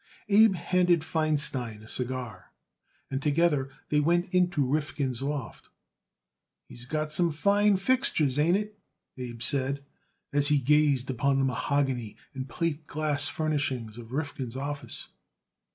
Abe handed Feinstein a cigar, and together they went into Rifkin's loft. "He's got some fine fixtures, ain't it?" Abe said as he gazed upon the mahogany and plate glass furnishings of Rifkin's office.